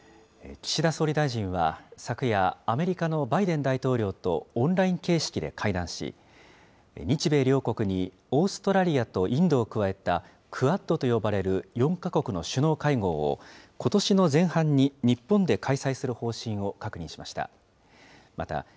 岸田総理大臣は昨夜、アメリカのバイデン大統領とオンライン形式で会談し、日米両国にオーストラリアとインドを加えたクアッドと呼ばれる４か国の首脳会合を、ことしの前半に日本で開催する方針を確認しました。